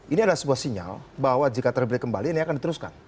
ini adalah sebuah sinyal bahwa jika terpilih kembali ini akan diteruskan